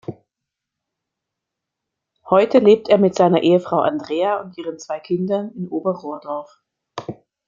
Heute lebt er mit seiner Ehefrau Andrea und ihren zwei Kindern in Oberrohrdorf.